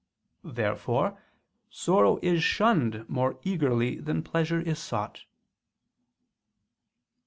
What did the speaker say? Therefore sorrow is shunned more eagerly than pleasure is sought.